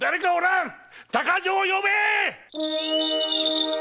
鷹匠を呼べ！